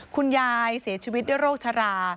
คุณยายเสียชีวิตเยอะโรครา